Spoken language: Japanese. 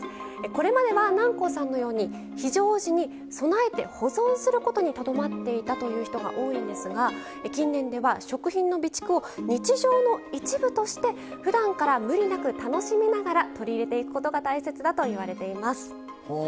これまでは、南光さんのように非常時に備えて保存することにとどまっていたという人が多いんですが近年では食品の備蓄を日常の一部として、ふだんから無理なく楽しみながら取り入れていくことが大切だといわれています。